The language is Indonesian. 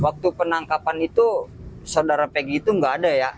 waktu penangkapan itu saudara pegi itu nggak ada ya